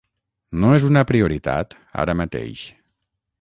No és una prioritat ara mateix.